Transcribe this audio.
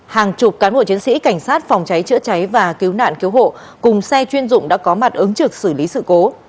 hàng chục cán bộ chiến sĩ cảnh sát phòng cháy chữa cháy và cứu nạn cứu hộ cùng xe chuyên dụng đã có mặt ứng trực xử lý sự cố